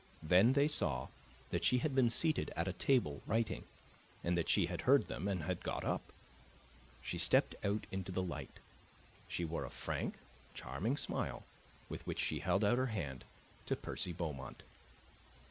Then they saw that she had been seated at a table writing, and that she had heard them and had got up. She stepped out into the light; she wore a frank, charming smile, with which she held out her hand to Percy Beaumont.